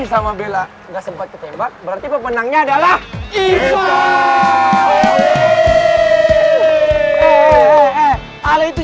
sama bella enggak sempat ketembak berarti pemenangnya adalah itu eh eh eh eh ala itu